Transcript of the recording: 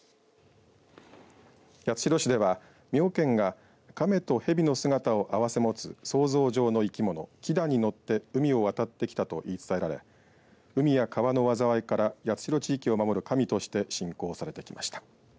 八代市では妙見が亀と蛇の姿をあわせ持つ想像上の生きもの、亀蛇に乗って海を渡ってきたと言い伝えられてきて海や川の災いから八代地域を守る神として信仰されてきました。